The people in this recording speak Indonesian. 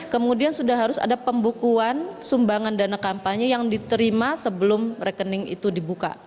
kemudian sudah harus ada pembukuan sumbangan dana kampanye yang diterima sebelum rekening itu dibuka